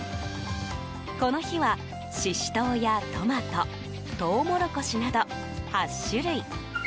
この日は、シシトウやトマトトウモロコシなど８種類。